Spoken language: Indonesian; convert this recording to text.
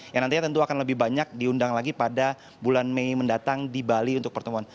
yang nantinya tentu akan lebih banyak diundang lagi pada bulan mei mendatang di bali untuk pertemuan